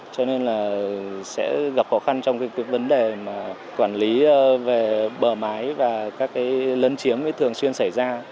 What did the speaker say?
cho nên là sẽ gặp khó khăn trong vấn đề quản lý về bờ mái và các lấn chiếm thường xuyên xảy ra